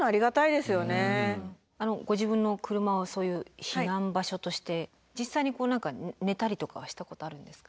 ご自分の車をそういう避難場所として実際に寝たりとかはしたことあるんですか？